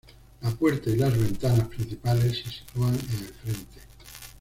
La puerta y las ventanas principales se sitúan en el frente.